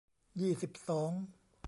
ยี่สิบสอง